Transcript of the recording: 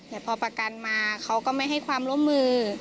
แต่พอประกันมาเขาก็ไม่ให้ความร่วมมือ